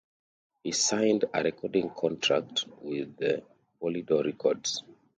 He signed a recording contract with Polydor Records.